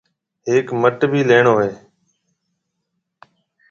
ھيَََڪ مَٽ ڀِي ليڻو کپيَ۔